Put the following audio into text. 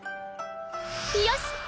よし！